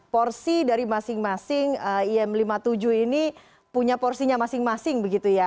porsi dari masing masing im lima puluh tujuh ini punya porsinya masing masing begitu ya